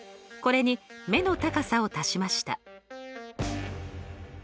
これに目の高さを足しました。